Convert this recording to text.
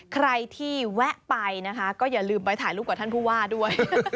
ใครที่แวะไปนะคะก็อย่าลืมไปถ่ายรูปกับท่านผู้ว่าด้วย